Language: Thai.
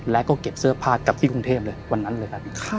แล้วก็เก็บเสื้อผ้ากับพี่กรุงเทพฯวันนั้นเลย